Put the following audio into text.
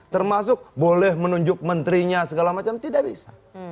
termasuk boleh menunjuk menterinya segala macam tidak bisa